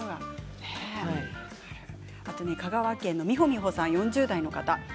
香川県４０代の方です。